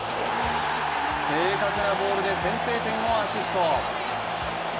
正確なボールで先制点をアシスト。